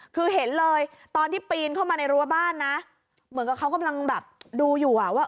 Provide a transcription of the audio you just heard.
คือเห็นเลยตอนที่ปีนเข้ามาในรั้วบ้านนะเหมือนกับเขากำลังแบบดูอยู่อ่ะว่า